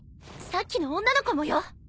さっきの女の子もよ！